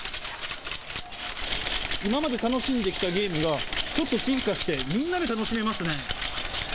今まで楽しんできたゲームがちょっと進化して、みんなで楽しめますね。